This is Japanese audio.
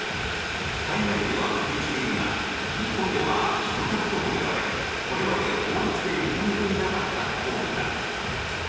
海外では普及しているが日本では白タクとも呼ばれこれまで法律で認めていなかった行為だ。